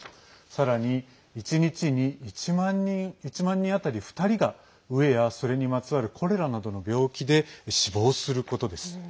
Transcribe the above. さらに１日に１万人あたり２人が飢えや、それにまつわるコレラなどの病気で死亡することです。